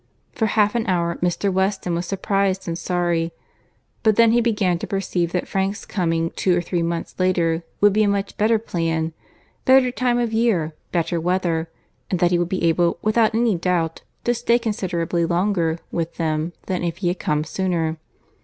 For half an hour Mr. Weston was surprized and sorry; but then he began to perceive that Frank's coming two or three months later would be a much better plan; better time of year; better weather; and that he would be able, without any doubt, to stay considerably longer with them than if he had come sooner.